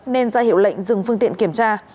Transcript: nên ra hiệu lệnh dừng phương tiện kiểm tra